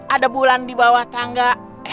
ada bulan di bawah tangga